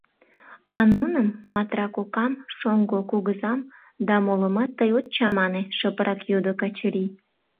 — А нуным, Матра кокам, шоҥго кугызам да молымат тый от чамане? — шыпрак йодо Качырий.